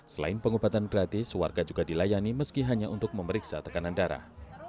selain pengobatan gratis warga juga dilayani meski hanya untuk memeriksa tekanan darah